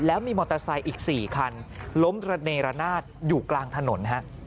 แล้วมีมอเตอร์ไซค์อีก๔คันล้มระเนรนาศอยู่กลางถนน